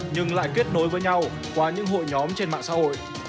nhưng lại kết nối với nhau qua những hội nhóm trên mạng xã hội